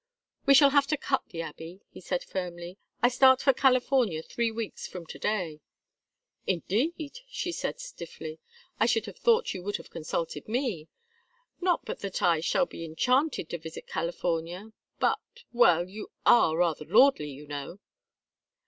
"We shall have to cut the Abbey," he said, firmly. "I start for California three weeks from to day." "Indeed?" she said, stiffly. "I should have thought you would have consulted me. Not but that I shall be enchanted to visit California, but well, you are rather lordly, you know."